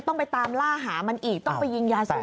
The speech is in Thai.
ต้องไปตามล่าหามันอีกต้องไปยิงยาสูบ